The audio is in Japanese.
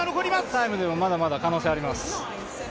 タイムでもまだまだ可能性あります。